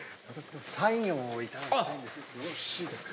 サインを頂きたいんですがよろしいですか？